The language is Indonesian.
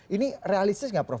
ini realistis nggak prof